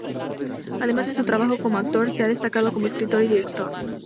Además de su trabajo como actor se ha destacado como escritor y director.